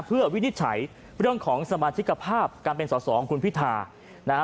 เพื่อวินิจฉัยเรื่องของสมาชิกภาพการเป็นสอสอของคุณพิธานะฮะ